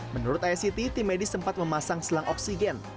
menurut ayah siti tim medis sempat memasang selang oksigen